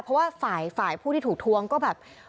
แต่ก็ถ้าฝ่ายผู้ที่ถูกทวงก็แบบ